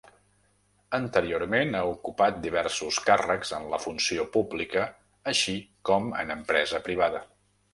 Anteriorment ha ocupat diversos càrrecs en la funció pública així com en empresa privada.